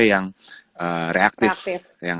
yang tidak setang